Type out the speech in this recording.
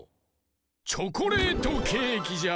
チョコレートケーキじゃ。